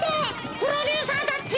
プロデューサーだってよ！